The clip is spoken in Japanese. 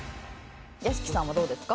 屋敷さんはどうですか？